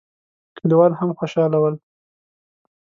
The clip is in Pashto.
کليوال هم خوشاله ول.